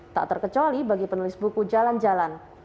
tak terkecuali bagi penulis buku jalan jalan